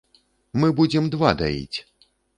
Мы будзем два даіць!